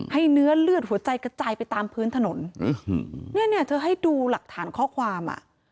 เนื้อเลือดหัวใจกระจายไปตามพื้นถนนเนี่ยเนี่ยเธอให้ดูหลักฐานข้อความอ่ะ